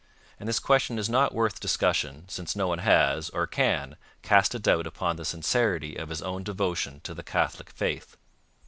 And this question is not worth discussion, since no one has, or can, cast a doubt upon the sincerity of his own devotion to the Catholic faith.